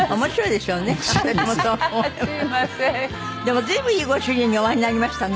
でも随分いいご主人にお会いになりましたね